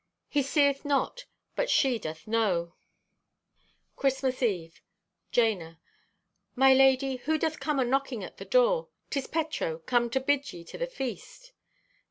He seeth not, but she doth know!" (Christmas Eve.) (Jana) "My lady, who doth come a knocking at the door? 'Tis Petro, come to bid ye to the feast."